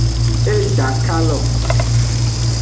E dan kalon.